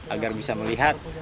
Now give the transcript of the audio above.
agar bisa melihat